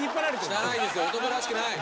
男らしくない！